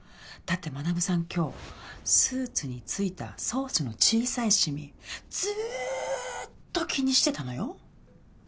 だって学さん今日スーツについたソースの小さい染みずっと気にしてたのよ。